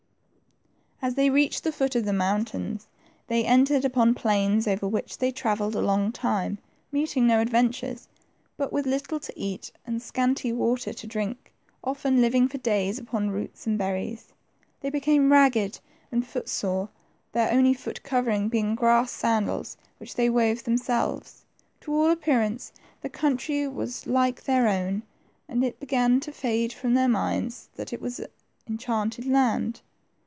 As they reached the foot of the mountains, they entered upon plains over which they travelled a long time, meeting no adventures, but with little to eat and scanty water to drink, often living for days upon roots and berries. They became ragged and foot sore, their only foot covering being grass sandals, which they wove themselves. To all appearance the country was like their own, and it began to fade from their minds that it was enchanted land.